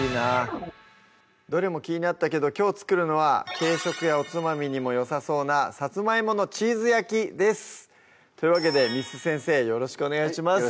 どれも気になったけどきょう作るのは軽食やおつまみにもよさそうな「さつまいものチーズ焼き」ですというわけで簾先生よろしくお願いします